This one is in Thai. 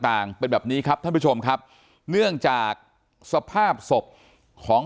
ต่างเป็นแบบนี้ครับท่านผู้ชมครับเนื่องจากสภาพศพของ